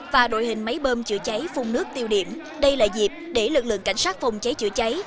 và đội hình máy bơm chữa cháy phung nước tiêu điểm đây là dịp để lực lượng cảnh sát phòng cháy chữa cháy